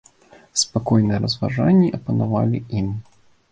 Спакойныя разважанні апанавалі ім.